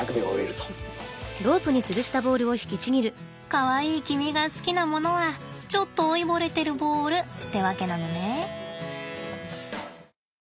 かわいい君が好きなものはちょっと老いぼれてるボールってわけなのね。